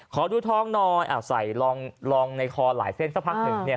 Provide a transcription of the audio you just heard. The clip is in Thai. ขอดูทองหน่อยใส่ลองในคอหลายเส้นสักพักหนึ่ง